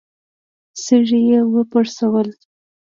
سږي يې وپړسول.